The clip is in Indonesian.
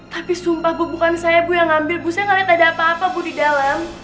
tapi sumpah bu bukan saya yang ngambil bu saya gak liat ada apa apa bu di dalem